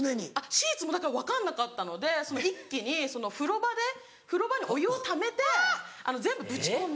シーツも分かんなかったので一気に風呂場で風呂場にお湯をためて全部ぶち込んで。